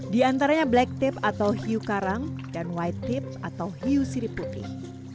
di antaranya black tip atau hiu karang dan white tip atau hiu sirip putih